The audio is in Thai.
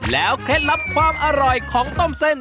เคล็ดลับความอร่อยของต้มเส้น